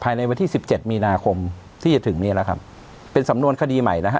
ในวันที่สิบเจ็ดมีนาคมที่จะถึงนี่แหละครับเป็นสำนวนคดีใหม่นะฮะ